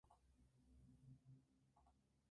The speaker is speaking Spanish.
Mañana más, y mejor